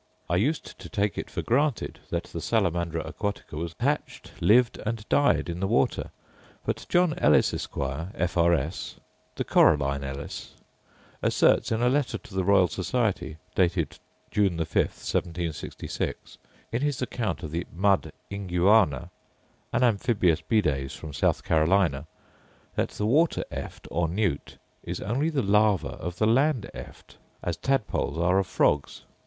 I used to take it for granted that the salamandra aquatica was hatched, lived, and died in the water. But John Ellis, Esq., F.R.S. (the coralline Ellis), asserts, in a letter to the Royal Society, dated June 5th, 1766, in his account of the mud inguana, an amphibious bides, from South Carolina, that the water eft, or newt, is only the larva of the land eft, as tadpoles are of frogs.